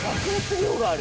量がある。